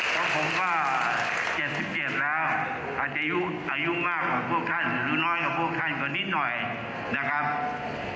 จ้าปุ๋นคะเจ็บสิบเย็นแล้วอาจจะอยู่อายุมากของพวกข้านน้อยพวกข้านกันนิดหน่อยนะครับ